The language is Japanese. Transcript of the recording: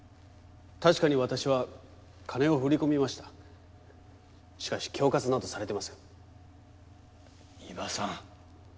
確かに私は金を振り込みましたしかし恐喝などされてません井場さん